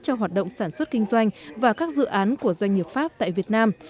cho hoạt động sản xuất kinh doanh và các dự án của doanh nghiệp pháp tại việt nam